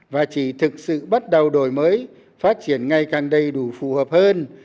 và chỉ thực sự bắt đầu đổi mới phát triển ngày càng đầy đủ phù hợp hơn